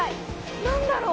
何だろう？